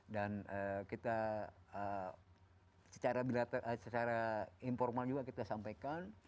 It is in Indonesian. dan kita secara informal juga kita sampaikan